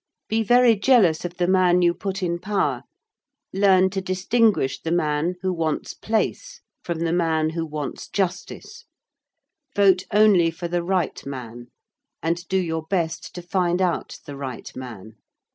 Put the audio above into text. Be very jealous of the man you put in power: learn to distinguish the man who wants place from the man who wants justice: vote only for the right man: and do your best to find out the right man.